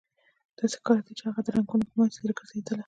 داسې ښکاریده چې هغه د رنګونو په مینځ کې ګرځیدلې